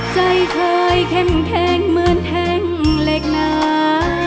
ใจเคยเข้มแข็งเหมือนแท่งเหล็กหนา